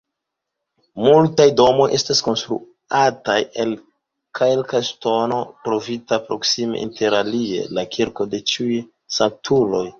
Multaj domoj estas konstruitaj el kalkŝtono, trovita proksime, interalie la kirko de ĉiuj sanktuloj.